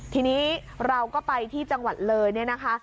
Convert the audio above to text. ทีนี้เราก็ไปที่จังหวัดเลยเนี่ยนะคะ